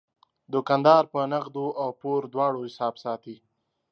دوکاندار په نغدو او پور دواړو حساب ساتي.